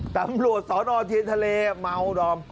ตำรวจสสนอชีพทะเลเมา